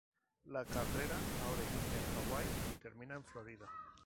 La carrera ahora inicia en Hawaii y termina en Florida.